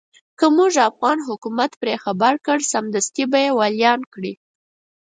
که موږ افغان حکومت پرې خبر کړ سمدستي به يې واليان کړي.